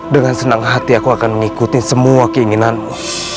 dengan senang hati aku akan mengikuti semua keinginanmu